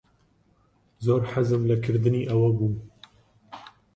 زۆر حەزم لە کردنی ئەوە بوو.